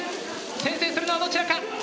先制するのはどちらか？